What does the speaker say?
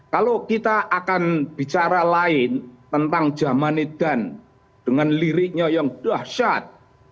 kalau kita akan bicara lain tentang zaman edan dengan liriknya yang dahsyat